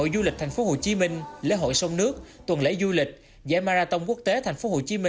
du lịch giải marathon quốc tế tp hcm